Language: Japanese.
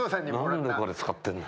何でこれ使ってるの？